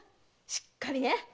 しっかりね！